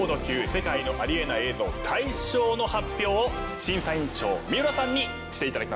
世界のありえない映像大賞の発表を審査委員長三浦さんにしていただきましょう。